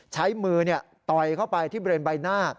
ใช้มือต่อยเข้าไปที่บริเวณใบหน้า